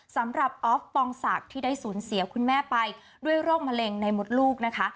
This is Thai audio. สำหรับออฟปองศักดิ์ที่ได้สูญเสียคุณแม่ไปด้วยโรคมะเร็งในมดลูกนะคะ